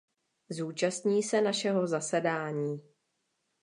Zúčastní se našeho zasedání.